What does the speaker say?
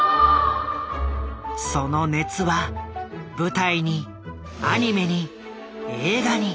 その熱は舞台にアニメに映画に。